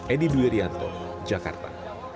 edi duyarianto jakarta